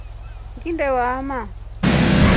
Ngine waama.